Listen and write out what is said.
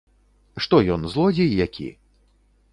Што ён, злодзей які?